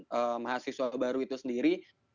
dan mahasiswa baru itu sendiri